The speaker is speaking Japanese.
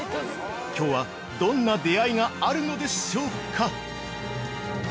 きょうはどんな出会いがあるのでしょうか？